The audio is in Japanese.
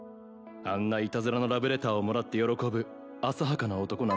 あんないたずらのラブレターをもらって喜ぶ浅はかな男なんて。